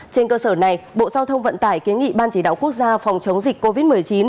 trên cơ sở này bộ giao thông vận tải kiến nghị ban chỉ đạo quốc gia phòng chống dịch covid một mươi chín